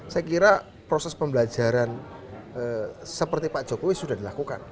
saya kira proses pembelajaran seperti pak jokowi sudah dilakukan